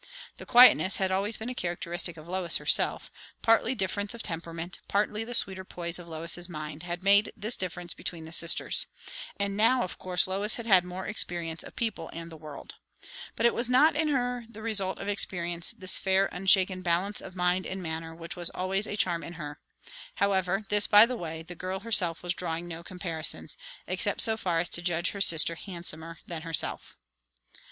The quietness had always been a characteristic of Lois herself; partly difference of temperament, partly the sweeter poise of Lois's mind, had made this difference between the sisters; and now of course Lois had had more experience of people and the world. But it was not in her the result of experience, this fair, unshaken balance of mind and manner which was always a charm in her. However, this by the way; the girl herself was drawing no comparisons, except so far as to judge her sister handsomer than herself.